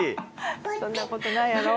そんなことないやろ？